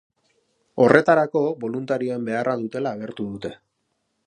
Horretarako, boluntarioen beharra dutela agertu dute.